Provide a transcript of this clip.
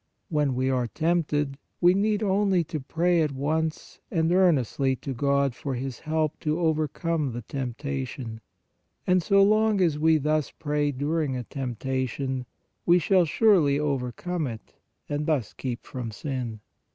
When we are tempted, we need only to pray at once and earnestly to God for His help 54 PRAYER to overcome the temptation, and so long as we thus pray during a temptation, we shall surely overcome it, and thus keep from sin.